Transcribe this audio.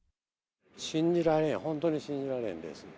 信じられん本当に信じられんです。